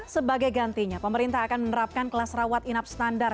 sebagai gantinya pemerintah akan menerapkan kelas rawat inap standar